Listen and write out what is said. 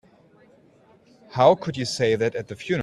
How could you say that at the funeral?